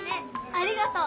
ありがとう。